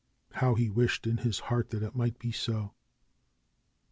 How he wished in his heart that it might be so